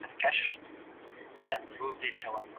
ایا په باغ کي کار کول بدن ته انرژي ورکوي؟